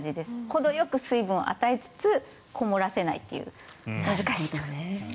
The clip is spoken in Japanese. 程よく水分を与えつつこもらせないという難しいところ。